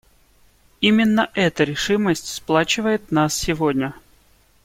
Именно эта решимость сплачивает нас сегодня.